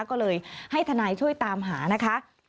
ก็เลยให้ทนายช่วยตามหานะคะ